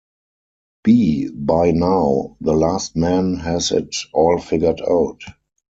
B By now the last man has it all figured out.